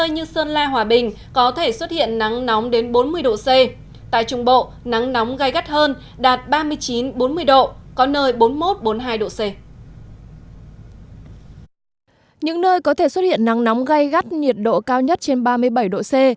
những nơi có thể xuất hiện nắng nóng gây gắt nhiệt độ cao nhất trên ba mươi bảy độ c